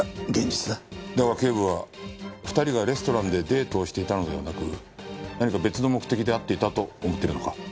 だがケイブは２人がレストランでデートをしていたのではなく何か別の目的で会っていたと思っているのか？